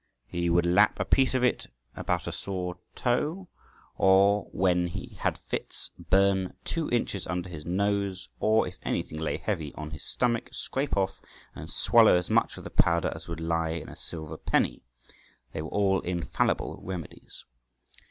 He would lap a piece of it about a sore toe; or, when he had fits, burn two inches under his nose; or, if anything lay heavy on his stomach, scrape off and swallow as much of the powder as would lie on a silver penny—they were all infallible remedies.